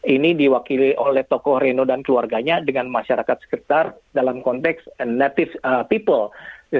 ini diwakili oleh tokoh reno dan keluarganya dengan masyarakat sekitar dalam konteks native people